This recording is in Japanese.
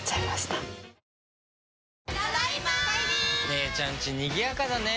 姉ちゃんちにぎやかだね。